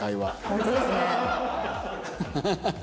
ハハハハハ。